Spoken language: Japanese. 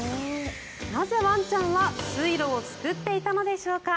なぜワンちゃんは水路を作っていたのでしょうか。